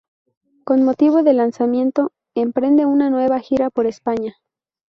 Con motivo del lanzamiento, emprende una nueva gira por España.